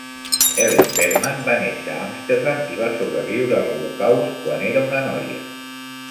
Helen Berman va néixer a Amsterdam i va sobreviure l'holocaust quan era una noia.